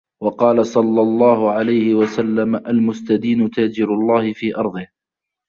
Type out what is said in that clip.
وَقَالَ صَلَّى اللَّهُ عَلَيْهِ وَسَلَّمَ الْمُسْتَدِينُ تَاجِرُ اللَّهِ فِي أَرْضِهِ